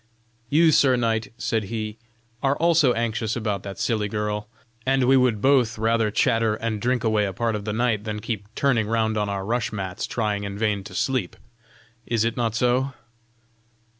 "You, sir knight," said he, "are also anxious about that silly girl, and we would both rather chatter and drink away a part of the night than keep turning round on our rush mats trying in vain to sleep. Is it not so?"